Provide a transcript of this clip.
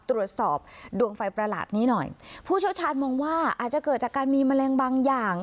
ตรวจสอบดวงไฟประหลาดนี้หน่อยผู้เชี่ยวชาญมองว่าอาจจะเกิดจากการมีแมลงบางอย่าง